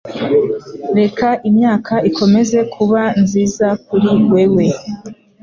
Reka imyaka ikomeze kuba nziza kuri wewe